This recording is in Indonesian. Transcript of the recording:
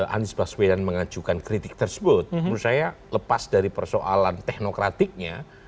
anies baswedan mengajukan kritik tersebut menurut saya lepas dari persoalan teknokratiknya